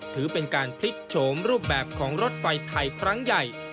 ถือเป็นการพลิกโฉมรูปแบบของรถไฟไทยครั้งใหญ่